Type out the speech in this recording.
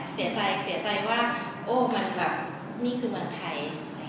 เสียใจว่านี่คือเมืองไทย